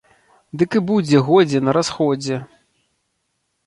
Дык і будзе годзе на расходзе!